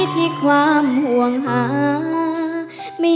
เธอไม่เคยโรศึกอะไร